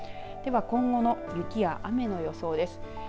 では、今後の雪や雨の予想です。